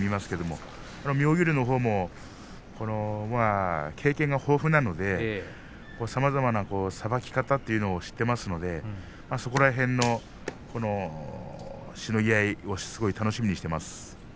妙義龍のほうも経験が豊富なのでさまざまな、さばき方というのを知っていますのでそこら辺のしのぎ合いを楽しみにしています。